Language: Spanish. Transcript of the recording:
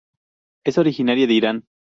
Es originaria de Irán.